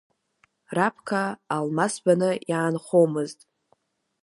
Раԥка Алмас баны иаанхомызт.